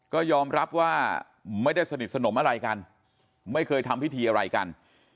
ก็ยอมรับว่าไม่ได้สนิทสนมอะไรกันไม่เคยทำพิธีอะไรกัน